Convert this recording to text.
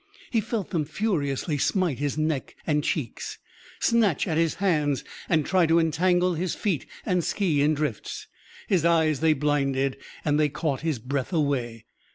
He felt them furiously smite his neck and cheeks, snatch at his hands and try to entangle his feet and ski in drifts. His eyes they blinded, and they caught his breath away.